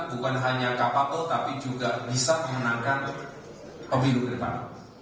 bukan hanya kapatu tapi juga bisa memenangkan pemilu ke depan